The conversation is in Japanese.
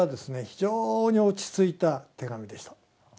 非常に落ち着いた手紙でした。